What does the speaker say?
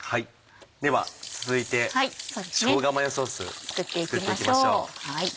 では続いてしょうがマヨソース作っていきましょう。